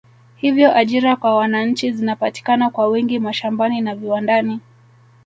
Hivyo ajira kwa wananchi zinapatikana kwa wingi mashambani na viwandani